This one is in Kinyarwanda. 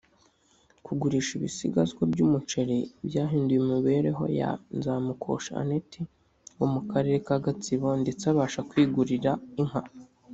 Kugurisha ibisigazwa by’umuceli byahinduye imibereho ya Nzamukosha Aneti wo mu karere ka Gatsibo ndetse abasha kwigurira inka